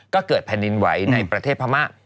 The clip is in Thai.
ก็เกิดแผ่นดินไหวในประเทศพม่า